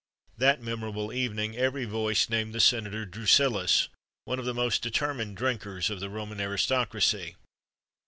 [XXXV 53] That memorable evening every voice named the senator Drusillus, one of the most determined drinkers of the Roman aristocracy.